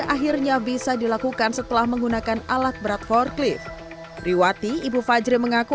akhirnya bisa dilakukan setelah menggunakan alat berat forklift riwati ibu fajri mengaku